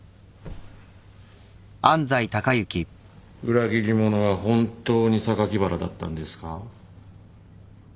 裏切り者は本当に榊原だったんですか？